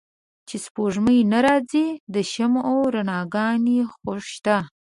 چې سپوږمۍ نه را ځي د شمعو رڼاګا نې خوشته